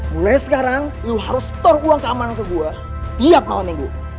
mulai sekarang lu harus store uang keamanan ke gua tiap malam minggu